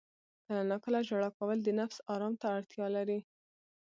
• کله ناکله ژړا کول د نفس آرام ته اړتیا لري.